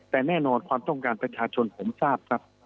แต่แน่นอนความต้องการประชาชนผมทราบครับ